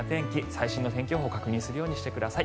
最新の天気予報を確認するようにしてください。